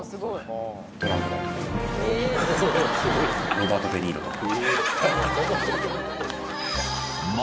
ロバート・デ・ニーロとか。